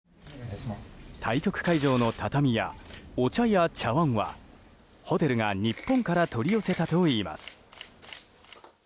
対局会場の畳や、お茶や茶わんはホテルが日本から取り寄せたといいます。